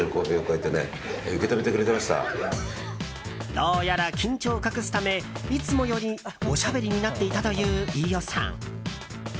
どうやら緊張を隠すためいつもより、おしゃべりになっていたという飯尾さん。